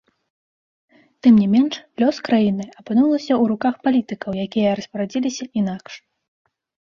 Тым не менш, лёс краіны апынулася ў руках палітыкаў, якія распарадзіліся інакш.